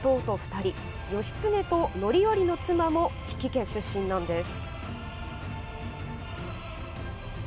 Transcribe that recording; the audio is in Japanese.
２人義経と範頼の妻も比企家出身なんです。